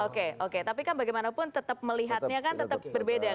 oke oke tapi kan bagaimanapun tetap melihatnya kan tetap berbeda